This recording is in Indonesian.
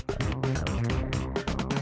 tapi lebih seharusnya